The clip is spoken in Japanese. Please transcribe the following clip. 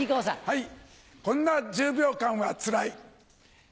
はい。